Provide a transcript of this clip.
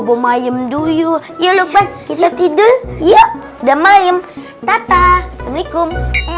bawa lux btw kita tidur yup udah main tata assalamualaikum